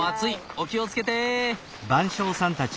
お気を付けて！